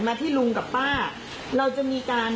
ที่ลุงกับป้าเราจะมีการ